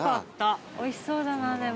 おいしそうだなでも。